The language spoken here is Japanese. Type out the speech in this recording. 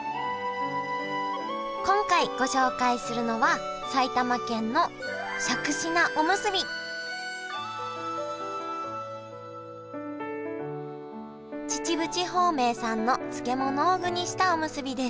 今回ご紹介するのは秩父地方名産の漬物を具にしたおむすびです。